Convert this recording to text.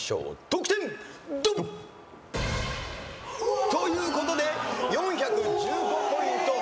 得点ドン！ということで４１５ポイント。